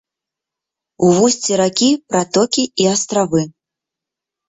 У вусці ракі пратокі і астравы.